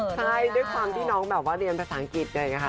ใช่ด้วยความที่น้องแบบว่าเรียนภาษาอังกฤษเนี่ยค่ะ